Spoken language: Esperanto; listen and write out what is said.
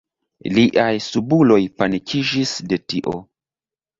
Liaj subuloj panikiĝis de tio.